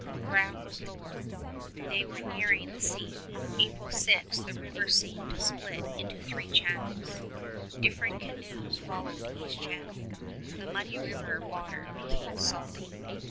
Ground was lower. They were nearing the sea. April 6 the river seemed to split into three channels. Different canoes followed each channel. The muddy river water became salty.